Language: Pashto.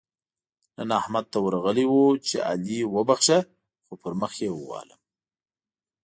نن احمد ته ورغلی وو؛ چې علي وبښه - خو پر مخ يې ووهلم.